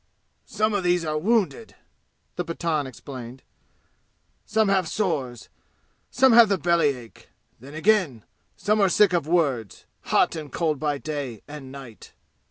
"Some of these are wounded," the Pathan explained. "Some have sores. Some have the belly ache. Then again, some are sick of words, hot and cold by day and night.